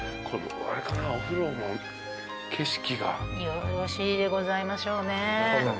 よろしいでございましょうね。